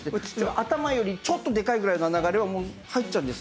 頭よりちょっとでかいぐらいの穴があれば入っちゃうんです。